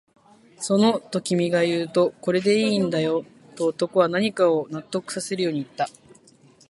その、と君が言うと、これでいいんだよ、と男は何かを納得させるように言った